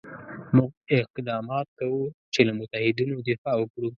موږ اقدامات کوو چې له متحدینو دفاع وکړو.